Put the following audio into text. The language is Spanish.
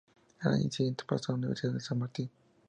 Al año siguiente pasó a la Universidad San Martín.